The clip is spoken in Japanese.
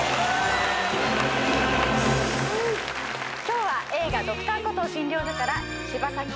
今日は映画『Ｄｒ．コトー診療所』から柴咲コウさん